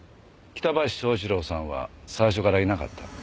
北林昭一郎さんは最初からいなかった。